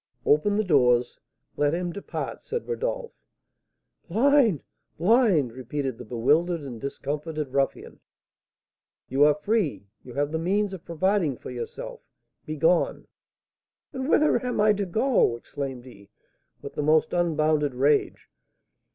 "Open the doors, let him depart!" said Rodolph. "Blind! blind!" repeated the bewildered and discomfited ruffian. "You are free; you have the means of providing for yourself; begone!" "And whither am I to go?" exclaimed he, with the most unbounded rage.